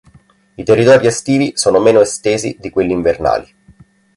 I territori estivi sono meno estesi di quelli invernali.